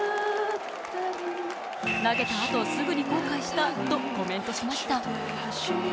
投げたあと、すぐに後悔したとコメントしました。